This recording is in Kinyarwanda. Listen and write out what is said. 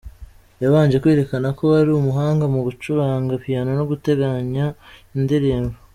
Yabanje kwerekana ko ari umuhanga mu gucuranga piano no gutunganya indirimbo.